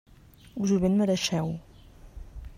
Us ho ben mereixeu.